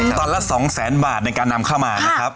ตอนละ๒๐๐๐๐๐บาทในการนำเข้ามาครับ